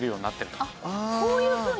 こういうふうに？